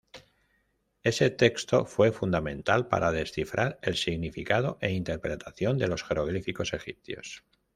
Ese texto fue fundamental para descifrar el significado e interpretación de los jeroglíficos egipcios.